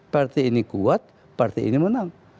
partai ini kuat partai ini menang